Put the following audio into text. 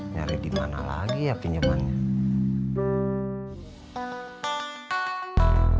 nyari dimana lagi ya pinjemannya